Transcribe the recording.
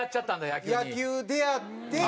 野球出会って。